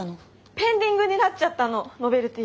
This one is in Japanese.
ペンディングになっちゃったのノベルティ。